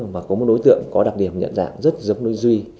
và có một đối tượng có đặc điểm nhận dạng rất giống đối duy